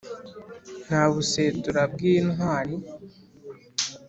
Nta busetura bw' intwari